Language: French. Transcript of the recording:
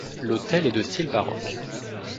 L'autel est de style baroque.